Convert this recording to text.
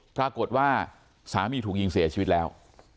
ปรากฏว่าสามีถูกยิงเสียชีวิตแล้ว